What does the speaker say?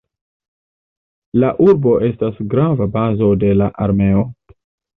La urbo estas grava bazo de la armeo.